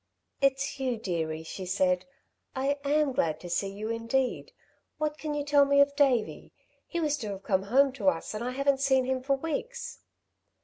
"It's you, dearie," she said. "I am glad to see you, indeed! What can you tell me of Davey? He was to have come home to us and I haven't seen him for weeks."